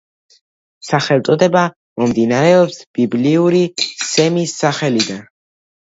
სახელწოდება მომდინარეობს ბიბლიური სემის სახელიდან.